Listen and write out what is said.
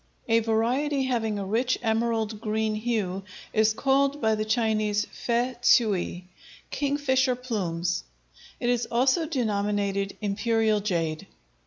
A variety having a rich emerald green hue is called by the Chinese fei ts'ui, "Kingfisher plumes"; it is also denominated Imperial jade.